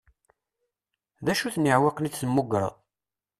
D acu-ten iɛewwiqen i d-temmugreḍ?